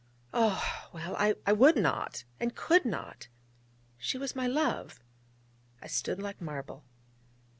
Oh, well, I would not, and could not! she was my love I stood like marble...